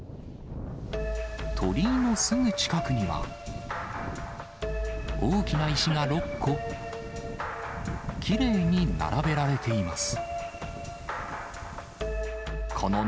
鳥居のすぐ近くには、大きな石が６個、きれいに並べられています。